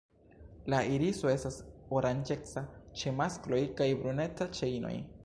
La iriso estas oranĝeca ĉe maskloj kaj bruneca ĉe inoj.